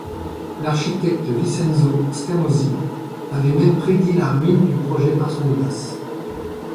L'architecte Vincenzo Scamozzi avait même prédit la ruine du projet par son audace.